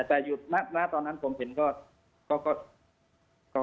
แต่อยู่ณตอนนั้นผมเห็นก็